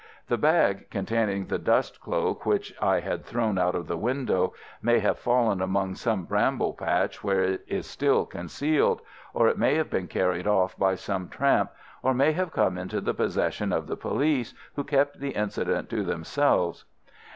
The bag, containing the dust cloak, which I had thrown out of the window, may have fallen among some bramble patch where it is still concealed, or may have been carried off by some tramp, or may have come into the possession of the police, who kept the incident to themselves.